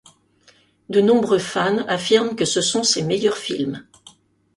De nombreux fans affirment que ce sont ses meilleurs films.